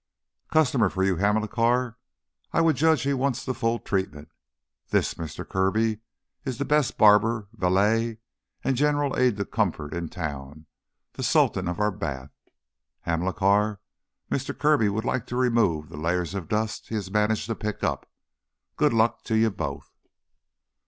"Customer for you, Hamilcar. I would judge he wants the full treatment. This, Mister Kirby, is the best barber, valet, and general aid to comfort in town, the sultan of our bath. Hamilcar, Mister Kirby would like to remove the layers of dust he has managed to pick up. Good luck to you both!"